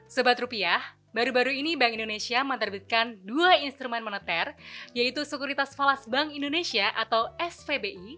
sebab rupiah baru baru ini bank indonesia menerbitkan dua instrumen moneter yaitu sekuritas falas bank indonesia atau spbi